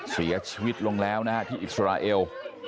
เสียชีวิตลงแล้วนะฮะที่อิสราเอล